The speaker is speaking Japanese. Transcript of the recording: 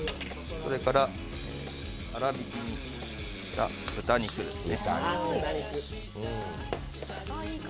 それから粗く切った豚肉ですね。